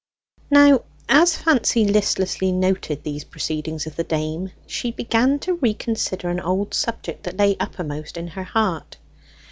Now, as Fancy listlessly noted these proceedings of the dame, she began to reconsider an old subject that lay uppermost in her heart.